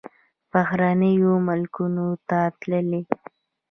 بهرنیو ملکونو ته تللی.